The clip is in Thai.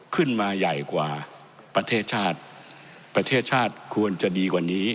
ขึ้นมาใหญ่กว่าประเทศชาติประเทศชาติควรจะดีกว่านี้